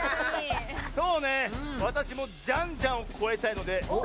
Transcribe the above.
そうねわたしもジャンジャンをこえたいのでお！